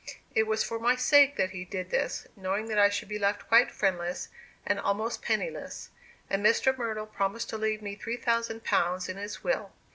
It was for my sake that he did this, knowing that I should be left quite friendless, and almost penniless. And Mr. Myrtle promised to leave me three thousand pounds in his will.